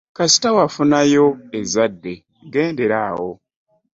Kasita wafunayo ezzadde gendera awo.